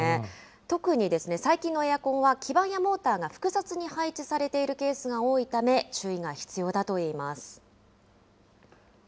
特に最近のエアコンは基板やモーターが複雑に配置されているケースが多いため、注意が必要だといいます。